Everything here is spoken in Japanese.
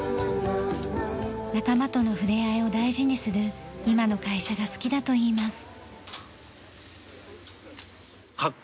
仲間とのふれあいを大事にする今の会社が好きだといいます。